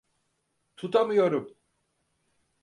Tutamıyorum!